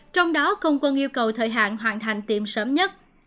trong đó không quân yêu cầu thời hạn hoàn thành tiệm sớm nhất